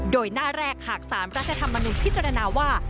โดยหน้าแรกหากสารรัฐธรรมนุนพิจารณาว่า